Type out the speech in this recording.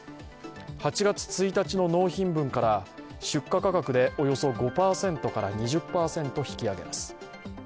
８月１日の納品分から出荷価格でおよそ５％から２０％引き揚げます。